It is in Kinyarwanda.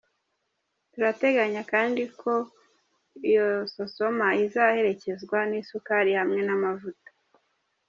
Turateganya kandi ko iyo sosoma izaherekezwa n’isukari hamwe n’amavuta.